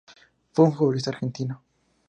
Fue un futbolista argentino.